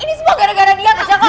ini semua gara gara dia kak jangan